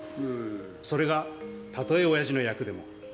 それが、たとえ親父の役でも。